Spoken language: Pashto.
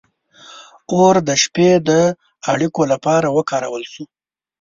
• اور د شپې د اړیکو لپاره وکارول شو.